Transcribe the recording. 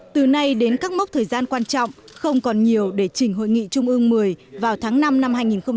từ nay đến các mốc thời gian quan trọng không còn nhiều để chỉnh hội nghị trung ương một mươi vào tháng năm năm hai nghìn hai mươi